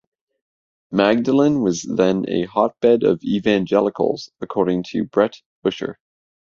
Magdalen was then "a hotbed of evangelicals," according to Brett Usher.